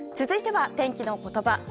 続いては、天気のことば。